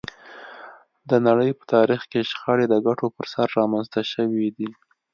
د نړۍ په تاریخ کې شخړې د ګټو پر سر رامنځته شوې دي